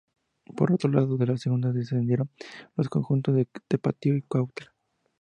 Por otro lado, de la Segunda descendieron los conjuntos de Tapatío y Cuautla.